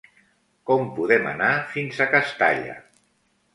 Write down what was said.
Com podem anar fins a Castalla?